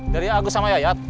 dari agus sama yayat